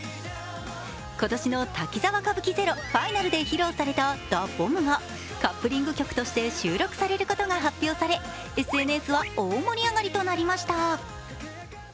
今年の「滝沢歌舞伎ＺＥＲＯＦＩＮＡＬ」で披露された「ＤＡＢＯＭＢ」がカップリング曲として収録されることが発表されＳＮＳでは大盛り上がりとなりました